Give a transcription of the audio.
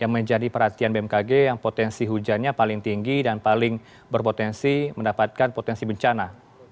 yang menjadi perhatian bmkg yang potensi hujannya paling tinggi dan paling berpotensi mendapatkan potensi bencana